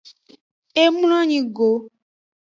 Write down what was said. E mloanyi go.